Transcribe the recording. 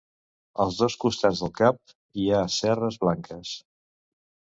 Als dos costats del cap hi ha cerres blanques.